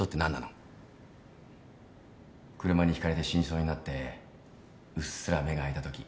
車にひかれて死にそうになってうっすら目が開いたとき。